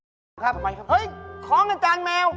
ทำไมครับเฮ้ยของอาจารย์แมว